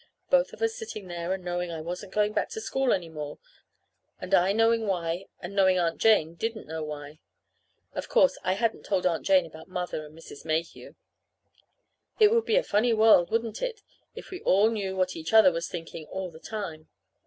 Both of us sitting there and knowing I wasn't going back to school any more, and I knowing why, and knowing Aunt Jane didn't know why. (Of course I hadn't told Aunt Jane about Mother and Mrs. Mayhew.) It would be a funny world, wouldn't it, if we all knew what each other was thinking all the time?